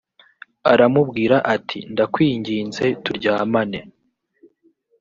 aramubwira ati ndakwinginze turyamane